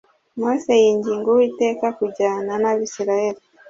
Mose yinginga Uwiteka kujyana n Abisirayeli